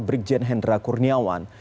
brigjen hendra kurniawan